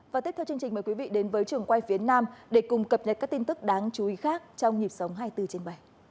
và tiếp theo chương trình mời quý vị đến với trường quay phía nam để cùng cập nhật các tin tức đáng chú ý khác trong nhịp sống hai mươi bốn trên bảy